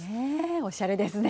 おしゃれですね。